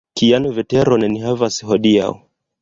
Kian veteron ni havas hodiaŭ?